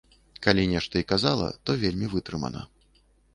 Калі нешта і казала, то вельмі вытрымана.